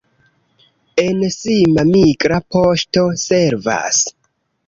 En Sima migra poŝto servas.